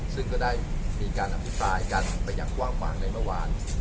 ซึ่งก็ได้มีการอภิปรายกันไปอย่างกว้างขวางในเมื่อวาน